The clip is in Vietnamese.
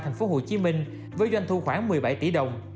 thành phố hồ chí minh với doanh thu khoảng một mươi bảy tỷ đồng